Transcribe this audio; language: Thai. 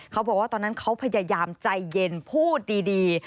เขาบอกว่าตอนนั้นเขาพยายามใจเย็นพูดดี